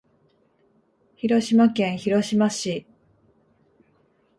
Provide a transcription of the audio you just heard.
広島県広島市